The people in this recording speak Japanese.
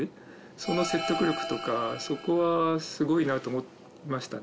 その説得力とかそこはスゴいなと思いましたね。